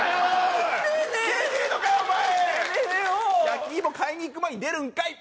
「焼きいも買いに行く前に出るんかい」